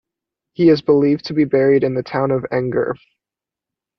He is believed to be buried in the town of Enger.